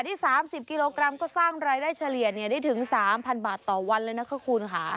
ที่สามสิบกิโลกรัมก็สร้างรายได้เฉลี่ยเนี้ยได้ถึงสามพันบาทต่อวันเลยนะคะคุณค่ะ